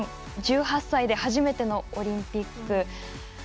１８歳で初めてのオリンピック。